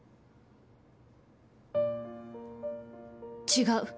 違う！